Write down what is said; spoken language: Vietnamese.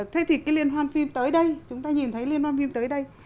thế thì cái liên hoan phim tới đây chúng ta nhìn thấy liên hoan phim tới đây